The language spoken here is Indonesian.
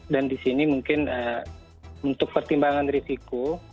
dan di sini mungkin untuk pertimbangan risiko